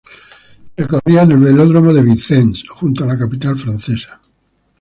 Se corría en el Velódromo de Vincennes, junto a la capital francesa.